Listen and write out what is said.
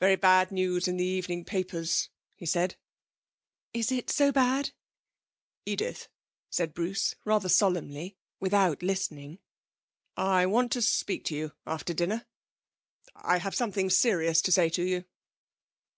'Very bad news in the evening papers,' he said. 'Is it so bad?' 'Edith,' said Bruce, rather solemnly, without listening, 'I want to speak to you after dinner. I have something serious to say to you'.